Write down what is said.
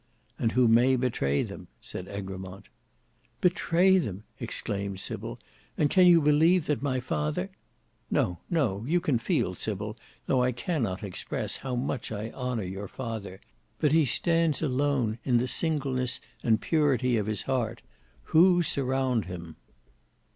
"And who may betray them," said Egremont. "Betray them!" exclaimed Sybil. "And can you believe that my father—" "No, no; you can feel, Sybil, though I cannot express, how much I honour your father. But he stands alone in the singleness and purity of his heart. Who surround him?"